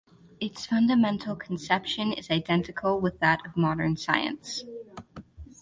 It's fundamental conception is identical with that of modern science.